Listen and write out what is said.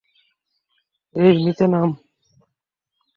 এই, নিচে নাম।